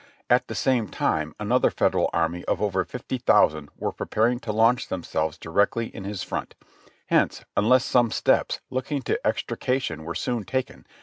At the same time another Federal army of over fifty thousand were preparing to launch themselves directly in his front, hence unless some steps looking to extrication were soon taken.